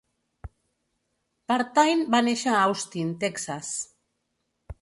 Partain va néixer a Austin, Texas.